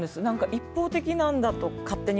一方的だと勝手に